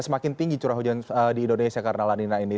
semakin tinggi curah hujan di indonesia karena lanina ini